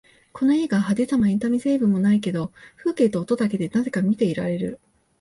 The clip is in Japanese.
この映画、派手さもエンタメ成分もないけど風景と音だけでなぜか見ていられる